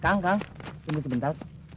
kang kang tunggu sebentar